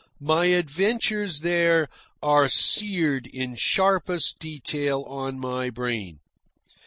My adventures there are seared in sharpest detail on my brain.